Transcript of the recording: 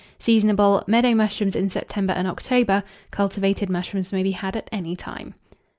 Seasonable. Meadow mushrooms in September and October; cultivated mushrooms may be had at any time.